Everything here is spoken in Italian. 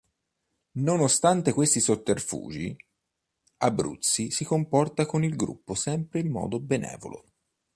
Nonostante questi sotterfugi, Abruzzi si comporta con il gruppo sempre in modo benevolo.